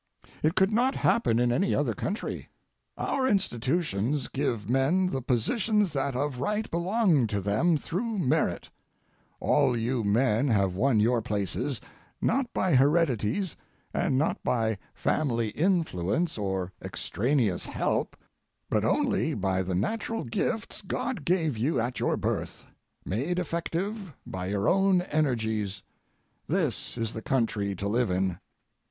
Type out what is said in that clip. It could not happen in any other country. Our institutions give men the positions that of right belong to them through merit; all you men have won your places, not by heredities, and not by family influence or extraneous help, but only by the natural gifts God gave you at your birth, made effective by your own energies; this is the country to live in.